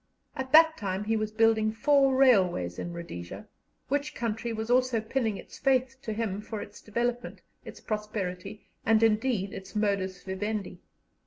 At that time he was building four railways in Rhodesia, which country was also pinning its faith to him for its development, its prosperity, and, indeed, its modus vivendi.